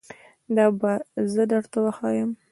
دا به زه درته وښایم